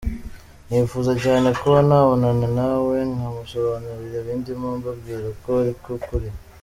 Nifuza cyane kuba nabonana nawe nkamusobanurira ibi ndimo mbabwira ko ari ukuri.